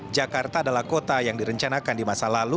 jakarta adalah kota yang direncanakan di masa lalu